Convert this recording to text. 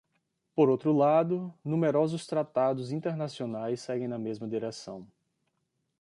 Por outro lado, numerosos tratados internacionais seguem na mesma direção.